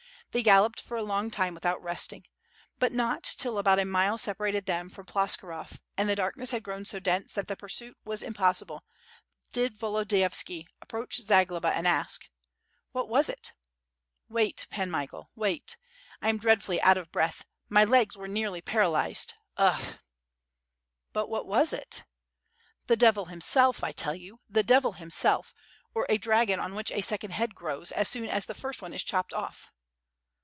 They galloped for a long time without resting. But not till about a mile separated them from Ploskirov, and the darkness had grown so dense that the pursuit was impossible, did Volo diyovski approach Zagloba and ask: "What was it?" "Wait, Pan Michael, wait. T am dreadfully out of breath. My legs were nearly paralyzed. Ugh!'' WITH FIRE AND SWORD. 673 "But what was it?'' "The devil himself, I tell you, the devil himself, or a dragon on which a second head grows, as soon as the first one is chopped oflf."